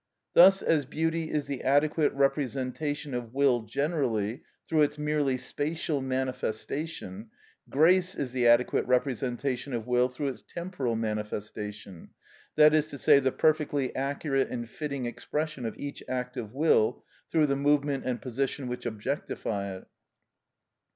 Thus as beauty is the adequate representation of will generally, through its merely spatial manifestation; grace is the adequate representation of will through its temporal manifestation, that is to say, the perfectly accurate and fitting expression of each act of will, through the movement and position which objectify it.